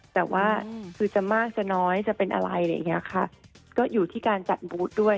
แต่ว่าคือจะมากจะน้อยจะเป็นอะไรอะไรอย่างเงี้ยค่ะก็อยู่ที่การจัดบูธด้วย